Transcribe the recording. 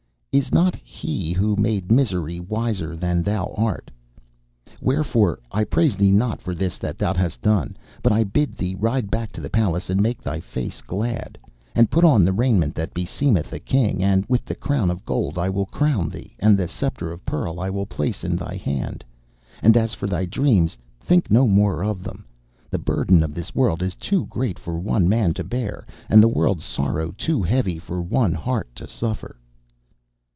Is not He who made misery wiser than thou art? Wherefore I praise thee not for this that thou hast done, but I bid thee ride back to the Palace and make thy face glad, and put on the raiment that beseemeth a king, and with the crown of gold I will crown thee, and the sceptre of pearl will I place in thy hand. And as for thy dreams, think no more of them. The burden of this world is too great for one man to bear, and the world's sorrow too heavy for one heart to suffer.